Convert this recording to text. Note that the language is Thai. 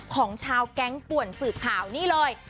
ของชาวแก๊งป่วนสืบข่าวนี่เลย